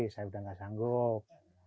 saya sudah tidak sanggup